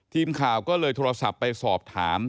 ทีมข่าวก็เลยโทรศัพท์ไปสอบถาม